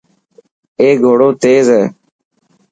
اي گهوڙو تيز هي.